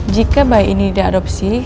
jika bayi ini diadopsi